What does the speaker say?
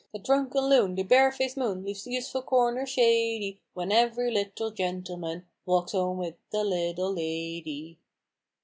That drunken loon, the bare faced moon, Leaves useful corners shady, — When every little gentleman Walks home with a little lady."